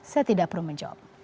saya tidak perlu menjawab